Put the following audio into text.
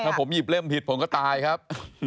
ถ้าผมหยิบเล่มผิดผมก็ตายครับ